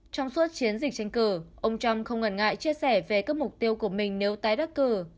trong suốt chiến dịch tranh cử ông trump không ngần ngại chia sẻ về các mục tiêu của mình nếu tái đắc cử